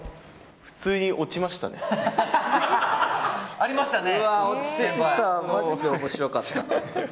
ありましたね、先輩。